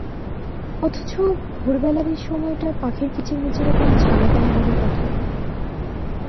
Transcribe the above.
অথচ ভোরবেলার এই সময়টায় পাখির কিচিরমিচিরে কান ঝালাপালা হবার কথা!